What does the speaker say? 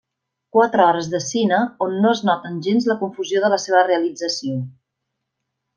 Quatre hores de cine on no es noten gens la confusió de la seva realització.